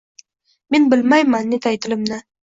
Men bilmayman netay tilimni –